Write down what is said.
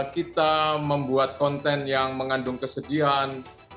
kita membuat konten yang mengandung kesedihan